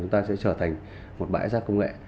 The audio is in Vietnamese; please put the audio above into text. trở thành một bãi giác công nghệ